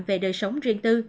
về đời sống riêng tư